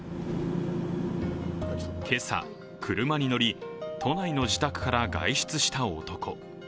今朝、車に乗り、都内の自宅から外出した男。